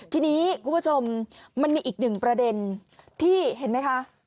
ทีนี้คุณผู้ชมมันมีอีกหนึ่งประเด็นที่เห็นไหมคะ